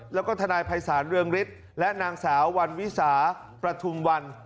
แล้วก็ทนายภัยศาลเรืองฤทธิ์และนางสาววันวิสาประทุมวัน